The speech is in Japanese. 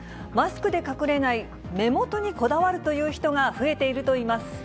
マスクで隠れない目元にこだわるという人が増えているといいます。